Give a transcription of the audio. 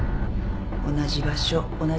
同じ場所同じ景色。